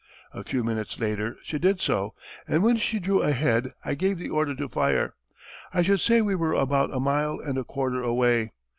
A few minutes later she did so, and when she drew ahead I gave the order to fire. I should say we were about a mile and a quarter away.